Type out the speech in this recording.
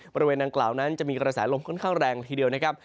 บริเวณดังกล่าวนั้นจะมีกระแสลมค่อนข้างแรงละทีเดียวนะครับ